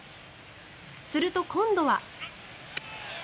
すると今度は。